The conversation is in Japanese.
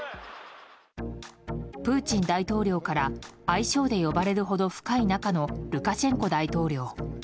プーチン大統領から愛称で呼ばれるほど深い仲のルカシェンコ大統領。